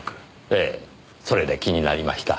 ええそれで気になりました。